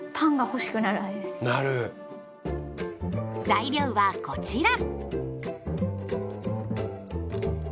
材料はこちら。